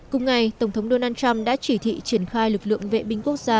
cùng ngày tổng thống donald trump đã chỉ thị triển khai lực lượng vệ binh quốc gia